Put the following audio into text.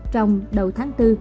trong đầu tháng bốn